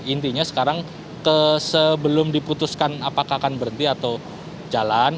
intinya sekarang sebelum diputuskan apakah akan berhenti atau jalan